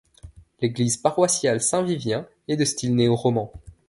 L'église paroissiale Saint-Vivien est de style néo-roman.